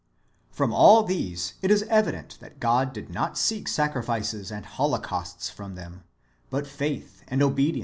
From all these it is evident that God did not seek sacrifices and holocausts from them, but faith, and obedience, 1 Isa.